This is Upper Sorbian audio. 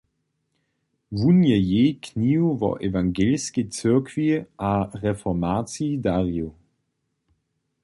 Wón je jej knihu wo ewangelskej cyrkwi a reformaciji darił.